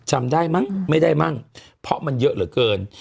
จำได้มั้งไม่ได้มั่งเพราะมันเยอะเหลือเกิน